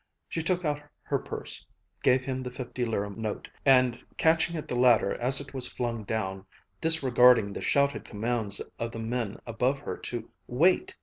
She took out her purse, gave him the fifty lire note, and catching at the ladder as it was flung down, disregarding the shouted commands of the men above her to "wait!"